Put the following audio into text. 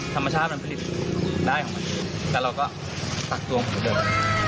ธรรมชาติมันผลิตได้ของมันแต่เราก็ตัดตรงเดิม